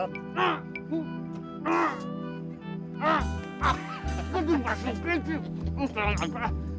kau juga suka sih